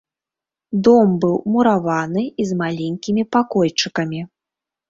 Дом быў мураваны і з маленькімі пакойчыкамі.